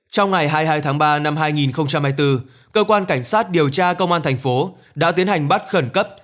trong ngày hai mươi hai tháng ba năm hai nghìn hai mươi bốn cơ quan cảnh sát điều tra công an thành phố đã tiến hành bắt khẩn cấp